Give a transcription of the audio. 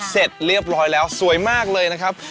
เสร็จเรียบร้อยแล้วสวยมากเลยนะครับ